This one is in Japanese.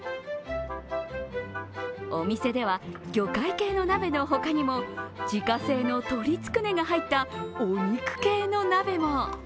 お店では、魚介系の鍋のほかにも自家製の鶏つくねが入ったお肉系の鍋も。